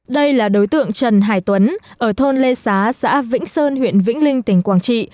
đây là đối tượng trần hải tuấn ở thôn lê xá xã vĩnh sơn huyện vĩnh linh tỉnh quảng trị